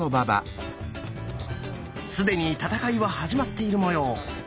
既に戦いは始まっているもよう。